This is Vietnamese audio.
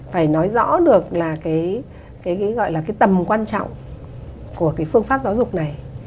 phải nói rõ được là cái tầm quan trọng của cái phương pháp giáo dục này